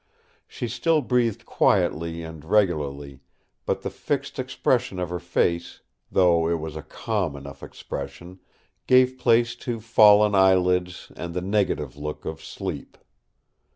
She still breathed quietly and regularly; but the fixed expression of her face, though it was a calm enough expression, gave place to fallen eyelids and the negative look of sleep.